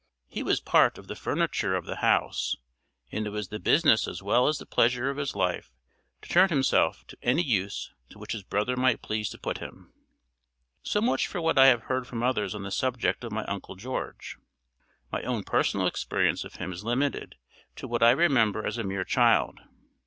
He was part of the furniture of the house, and it was the business as well as the pleasure of his life to turn himself to any use to which his brother might please to put him. So much for what I have heard from others on the subject of my Uncle George. My own personal experience of him is limited to what I remember as a mere child.